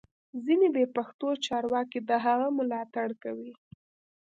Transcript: ځینې بې پښتو چارواکي د هغه ملاتړ کوي